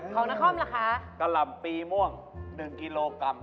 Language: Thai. ของนครล่ะคะกะหล่ำปีม่วง๑กิโลกรัม